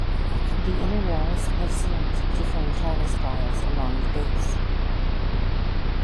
The inner walls have slumped to form talus piles along the base.